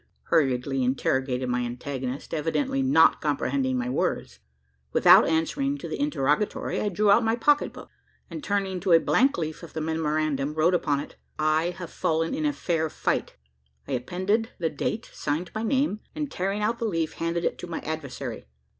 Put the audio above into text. hurriedly interrogated my antagonist, evidently not comprehending my words. Without answering to the interrogatory, I drew out my pocket book; and, turning to a blank leaf of the memorandum, wrote upon it: "I have fallen in fair fight." I appended the date; signed my name; and, tearing out the leaf, handed it to my adversary.